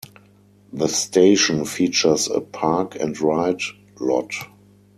The station features a park and ride lot.